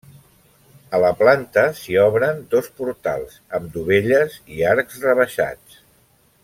A la, planta s'hi obren dos portals, amb dovelles i arcs rebaixats.